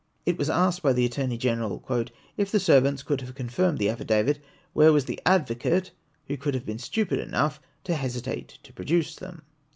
It w^as asked by the Attorney Gfeneral "if the servants could have confirmed the affidavit, where was the advocate who could have been stupid enough to hesitate to produce them